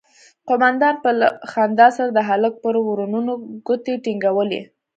قومندان به له خندا سره د هلک پر ورنونو گوتې ټينگولې.